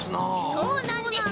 そうなんです！